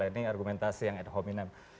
ini argumentasi yang ad hominan